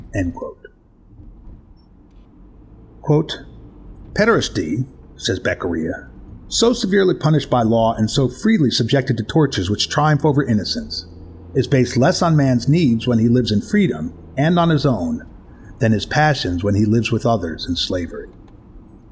[Philosophical Dictionary. Ed.] "Pederasty," says Beccaria, "so severely punished by law and so freely subjected to tortures which triumph over innocence, is based less on man's needs when he lives in freedom and on his own, than on his passions when he lives with others in slavery.